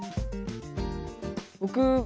僕